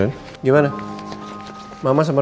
ada yang papa bicarain sama al